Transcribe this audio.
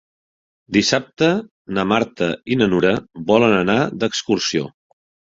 Dissabte na Marta i na Nura volen anar d'excursió.